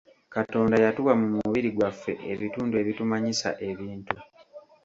Katonda yatuwa mu mubiri gwaffe ebitundu ebitumanyisa ebintu.